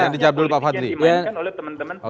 dan ini politik yang dimainkan oleh teman teman